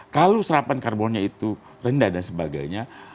kalau serapan karbonnya itu rendah dan sebagainya